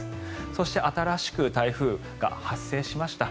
そして新しく台風が発生しました。